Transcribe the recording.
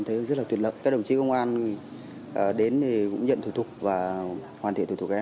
thấy là đi lại ra đây nó tiện hơn gần hơn